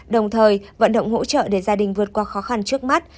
đồng thời vận động hỗ trợ để gia đình vượt qua khó khăn trước mắt